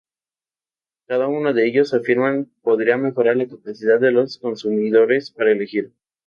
Cada uno de ellos, afirman, podría mejorar la capacidad de los consumidores para elegir.